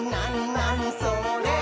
なにそれ？」